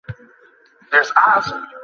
পাঁচ জন কনস্টেবলের অবস্থা আশঙ্কাজনক।